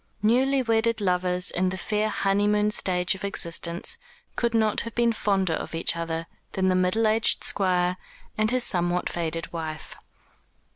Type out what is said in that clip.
Newly wedded lovers in the fair honeymoon stage of existence could not have been fonder of each other than the middle aged Squire and his somewhat faded wife.